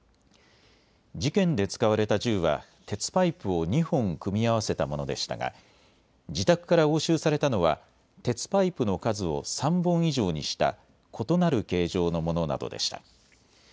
事件で使われた銃は鉄パイプを２本組み合わせたものでしたが自宅から押収されたのは鉄パイプの数を３本以上にした異なる形状のものなどでした。